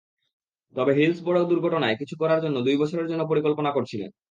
তবে হিলসবরো দুর্ঘটনায় কিছু করার জন্য দুই বছরের জন্য পরিকল্পনা করছিলেন।